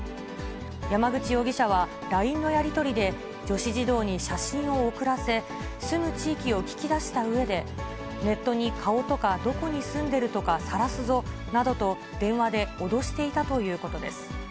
山口容疑者は、ＬＩＮＥのやり取りで、女子児童に写真を送らせ、住む地域を聞き出したうえで、ネットに顔とか、どこに住んでるとかさらすぞなどと、電話で脅していたということです。